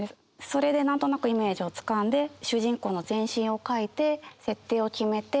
それで何となくイメージをつかんで主人公の全身を描いて設定を決めて。